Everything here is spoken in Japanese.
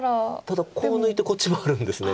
ただコウ抜いてこっちもあるんです。